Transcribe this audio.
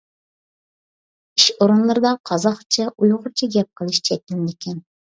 ئىش ئورۇنلىرىدا قازاقچە، ئۇيغۇرچە گەپ قىلىش چەكلىنىدىكەن.